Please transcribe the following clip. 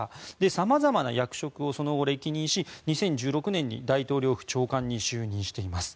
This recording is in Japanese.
様々な役職をその後、歴任し２０１６年に大統領府長官に就任しています。